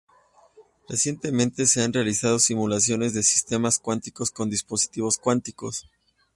Recientemente se han realizado simulaciones de sistemas cuánticos con dispositivos cuánticos.